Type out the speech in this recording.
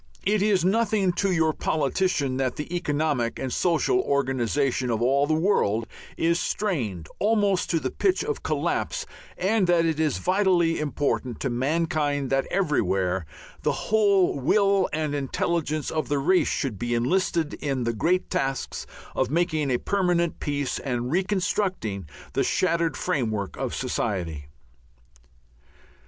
It is nothing to your politician that the economic and social organization of all the world, is strained almost to the pitch of collapse, and that it is vitally important to mankind that everywhere the whole will and intelligence of the race should be enlisted in the great tasks of making a permanent peace and reconstructing the shattered framework of society.